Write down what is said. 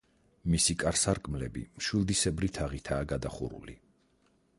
მისი კარ-სარკმლები მშვილდისებრი თაღითაა გადახურული.